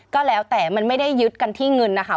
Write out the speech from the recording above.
ก็แล้วแต่มันไม่ได้ยึดกันที่เงินนะคะ